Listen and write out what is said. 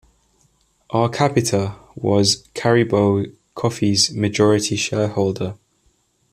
Arcapita was Caribou Coffee's majority shareholder.